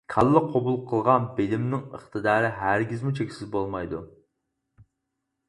كاللا قوبۇل قىلغان بىلىمنىڭ ئىقتىدارى ھەرگىزمۇ چەكسىز بولمايدۇ.